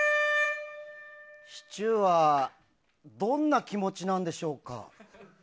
シチューはどんな気持ちなんでしょうか。